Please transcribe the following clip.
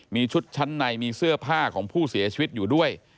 มีชุดชั้นในมีเสื้อผ้าของผู้เสียชีวิตอยู่ด้วย